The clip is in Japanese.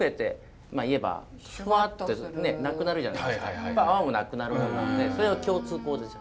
やっぱ泡もなくなるんでそれを共通項ですよ。